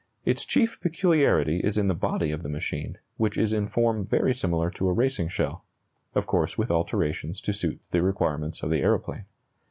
Its chief peculiarity is in the body of the machine, which is in form very similar to a racing shell of course with alterations to suit the requirements of the aeroplane.